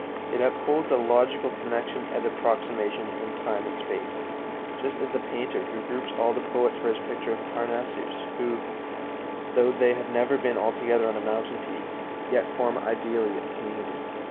It upholds a logical connection as approximation in time and space, just as the painter, who groups all the poets for his picture of Parnassus who, though they have never been all together on a mountain peak, yet form ideally a community.